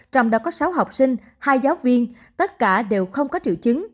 trong đó có sáu học sinh hai giáo viên tất cả đều không có triệu chứng